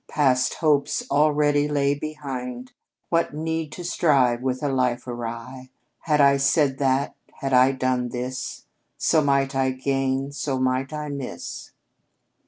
Past hopes already lay behind. What need to strive with a life awry? Had I said that, had I done this, So might I gain, so might I miss."